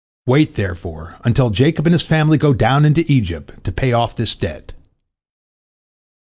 Wait, therefore, until Jacob and his family go down into Egypt to pay off this debt."